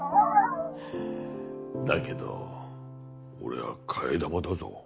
だけど俺は替え玉だぞ。